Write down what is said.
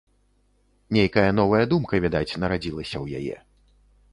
Нейкая новая думка, відаць, нарадзілася ў яе.